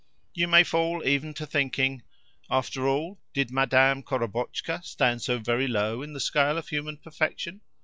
You may fall even to thinking: "After all, did Madame Korobotchka stand so very low in the scale of human perfection?